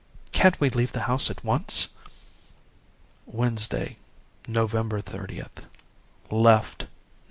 Can't we leave the house at once?' "Wednesday, November 30th. Left No.